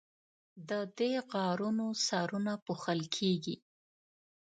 د دې غارونو سرونه پوښل کیږي.